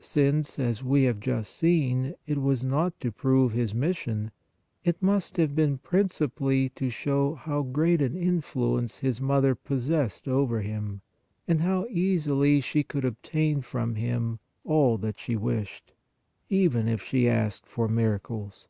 Since, as we have just seen, it was not to prove His mis sion, it must have been principally to show how great an influence His Mother possessed over Him, and how easily she could obtain from Him all that she wished, even if she asked for miracles.